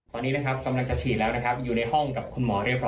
ตอนนี้นะครับกำลังจะฉีดแล้วนะครับอยู่ในห้องกับคุณหมอเรียบร้อ